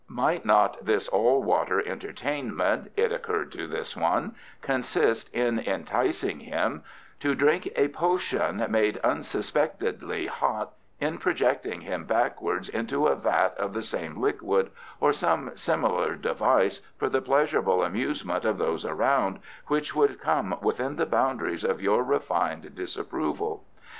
Might not this all water entertainment, it occurred to this one, consist in enticing him to drink a potion made unsuspectedly hot, in projecting him backwards into a vat of the same liquid, or some similar device for the pleasurable amusement of those around, which would come within the boundaries of your refined disapproval?